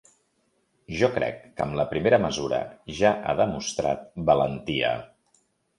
Jo crec que amb la primera mesura ja ha demostrat valentia.